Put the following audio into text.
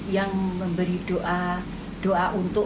yang memberi doa untuk